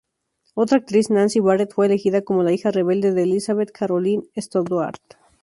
Otra actriz Nancy Barrett, fue elegida como la hija rebelde de Elizabeth, Carolyn Stoddard.